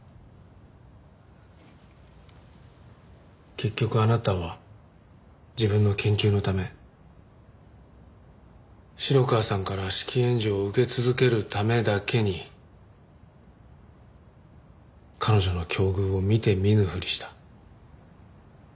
結局あなたは自分の研究のため城川さんから資金援助を受け続けるためだけに彼女の境遇を見て見ぬふりした。